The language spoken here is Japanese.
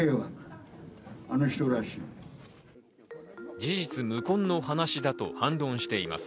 事実無根の話だと反論しています。